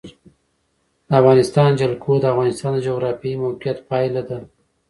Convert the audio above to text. د افغانستان جلکو د افغانستان د جغرافیایي موقیعت پایله ده.